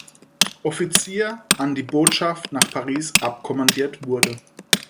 Offizier an die Botschaft nach Paris abkommandiert wurde.